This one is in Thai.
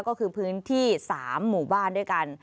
ก็คือพื้นที่๓หมู่บ้านด้วยกัน